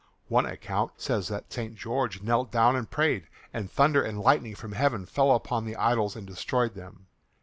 One account says that St. George knelt down and prayed, and thunder and lightning from heaven fell upon the idols and destroyed them.